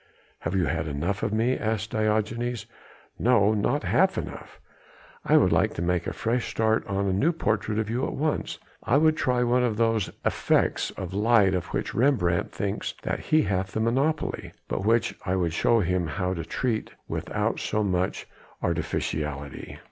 "Have you had enough of me?" asked Diogenes. "No. Not half enough. I would like to make a fresh start on a new portrait of you at once. I would try one of those effects of light of which Rembrandt thinks that he hath the monopoly, but which I would show him how to treat without so much artificiality."